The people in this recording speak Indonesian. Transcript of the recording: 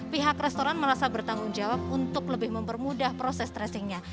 pihak restoran merasa bertanggung jawab untuk lebih mempermudah proses tracingnya